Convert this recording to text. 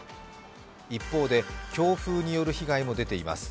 一方で強風による被害も出ています。